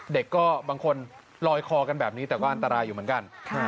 เด็กก็บางคนลอยคอกันแบบนี้แต่ก็อันตรายอยู่เหมือนกัน